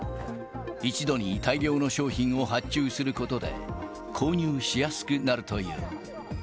一度に大量の商品を発注することで、購入しやすくなるという。